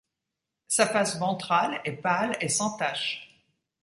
Sa face ventrale est pâle et sans tache.